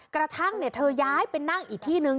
กระทั่งเธอย้ายไปนั่งอีกที่นึง